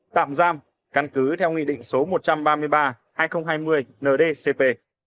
tạm giam căn cứ theo nghị định số một trăm ba mươi ba hai nghìn hai mươi ndcp